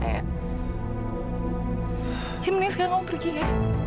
ya mending sekarang kamu pergi ya